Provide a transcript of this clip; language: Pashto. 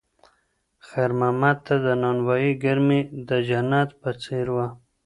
خیر محمد ته د نانوایۍ ګرمي د جنت په څېر وه.